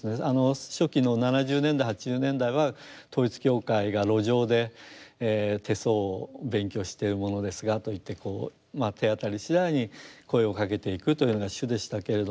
初期の７０年代８０年代は統一教会が路上で「手相を勉強している者ですが」と言って手当たりしだいに声をかけていくというのが主でしたけれども。